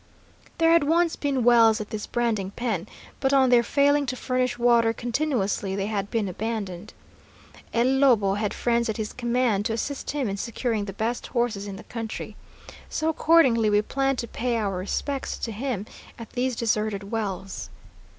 There had once been wells at this branding pen, but on their failing to furnish water continuously they had been abandoned. El Lobo had friends at his command to assist him in securing the best horses in the country. So accordingly we planned to pay our respects to him at these deserted wells.